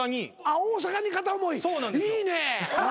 大阪に片思いいいね！